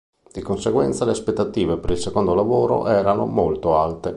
Di conseguenza le aspettative per il secondo lavoro erano molto alte.